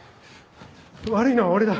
悪いのは俺だ。